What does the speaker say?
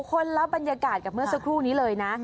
คนละบรรยากาศกับเมื่อสักครู่นี้เลยนะ